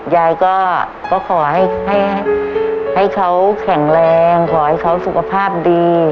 ยายก็ขอให้เขาแข็งแรงขอให้เขาสุขภาพดี